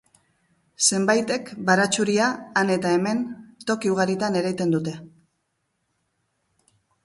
Zenbaitek baratxuria han eta hemen, toki ugaritan ereiten dute.